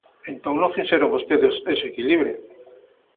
Entón, non fixeron vostedes ese equilibrio.